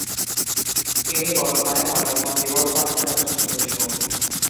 তিনি বর্তমানে পাকিস্তান পিপলস পার্টির একজন সদস্য।